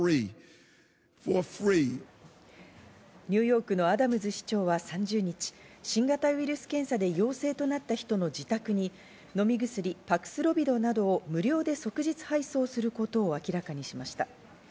ニューヨークのアダムズ市長は３０日、新型ウイルス検査で陽性となった人の自宅に飲み薬パクスロビドなどを無料で即日配送することを明らかにしました。